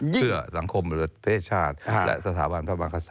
เพื่อสังคมประเทศชาติและสถาบันพระมังกษัตริ